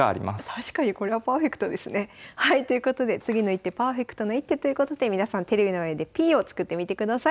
確かにこれはパーフェクトですね。ということで次の一手パーフェクトな一手ということで皆さんテレビの前でＰを作ってみてください。